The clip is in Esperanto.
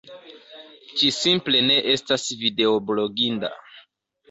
Ĝi simple ne estas videobloginda...